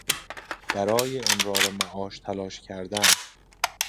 برای امرار معاش تلاش کردن